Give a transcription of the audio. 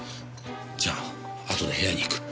じゃああとで部屋に行く。